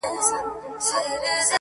ځيني يې هنر بولي ډېر لوړ,